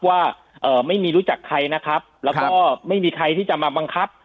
ว่าไม่มีรู้จักใครนะครับแล้วก็ไม่มีใครที่จะมาบังคับ